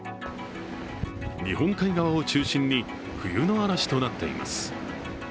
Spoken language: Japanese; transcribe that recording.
日本海側を中心に冬の嵐となっています。